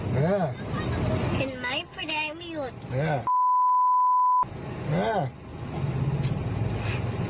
เห็นไหมไฟแดงไม่หยุด